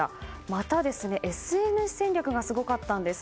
また、ＳＮＳ戦略がすごかったんです。